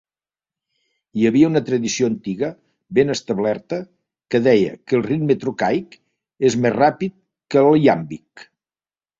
Hi havia una tradició antiga ben establerta que deia que el ritme trocaic és més ràpid que el iàmbic.